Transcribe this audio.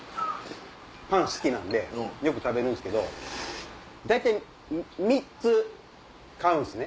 パン好きなんでよく食べるんすけど大体３つ買うんすね。